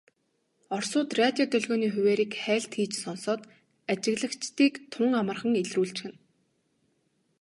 Оросууд радио долгионы хуваарийг хайлт хийж сонсоод ажиглагчдыг тун амархан илрүүлчихнэ.